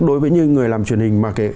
đối với những người làm truyền hình